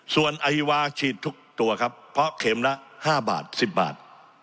ส่วนไอวาฉีดทุกตัวครับเพราะเข็มละ๕บาท๑๐บาท